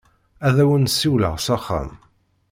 Ad awen-n-siwleɣ s axxam.